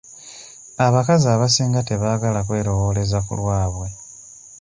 Abakazi abasinga tebaagala kwerowooleza ku lwabwe.